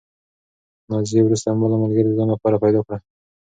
نازیې وروسته بله ملګرې د ځان لپاره پیدا کړه.